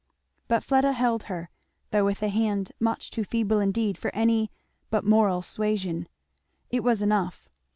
But Fleda held her, though with a hand much too feeble indeed for any but moral suasion. It was enough.